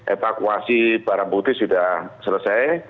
evakuasi barang bukti sudah selesai